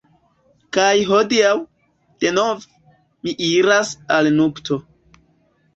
Kaj hodiaŭ, denove, mi iras al nupto.